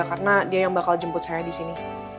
karena dia yang bakal jemput saya disini